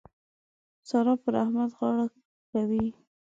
سارا پر احمد غاړه کوي.